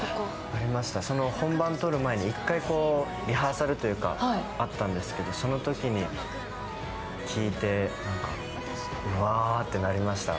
本番とる前に一回リハーサルがあったんですけどそのときに聞いて、うわぁってなりました。